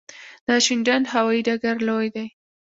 د شینډنډ هوايي ډګر لوی دی